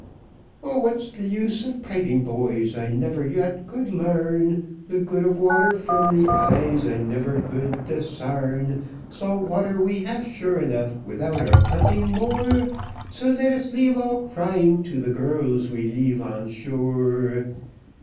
Oh, what's the use of piping, boys, I never yet could larn, The good of water from the eyes I never could disarn; Salt water we have sure enough without our pumping more, So let us leave all crying to the girls we leave on shore.